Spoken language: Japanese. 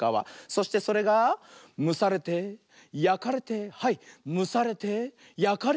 そしてそれがむされてやかれてはいむされてやかれるよ。